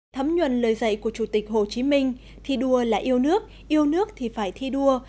thấm nhuần lời dạy của chủ tịch hồ chí minh thi đua là yêu nước yêu nước thì phải thi đua